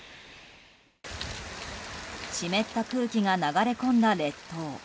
湿った空気が流れ込んだ列島。